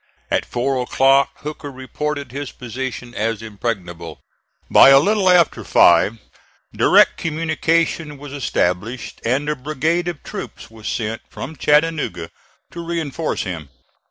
At four o'clock Hooker reported his position as impregnable. By a little after five direct communication was established, and a brigade of troops was sent from Chattanooga to reinforce him.